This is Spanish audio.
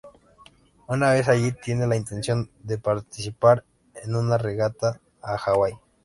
Una vez allí tiene la intención de participar en una regata a Hawái.